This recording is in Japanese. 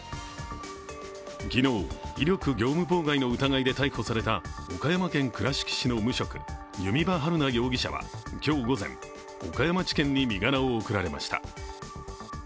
昨日威力業務妨害の疑いで逮捕された岡山県倉敷市の無職、弓場晴菜容疑者は今日午前岡山地検に身柄を送られました。